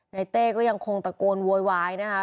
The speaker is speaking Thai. เต้ก็ยังคงตะโกนโวยวายนะคะ